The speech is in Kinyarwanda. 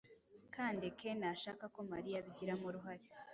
Kandeke ntashaka ko Mariya abigiramo uruhare.